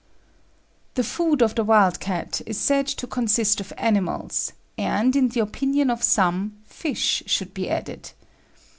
The food of the wild cat is said to consist of animals, and in the opinion of some, fish should be added.